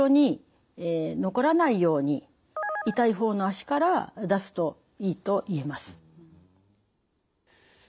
痛い方の脚から出すといいといえます。